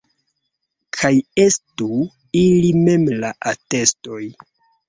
Kaj estu ili mem la atestoj.